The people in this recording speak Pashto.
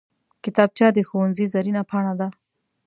کتابچه د ښوونځي زرینه پاڼه ده